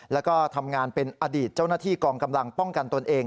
แล้วก็ทำงานเป็นอดีตเจ้าหน้าที่กองกำลังป้องกันตนเอง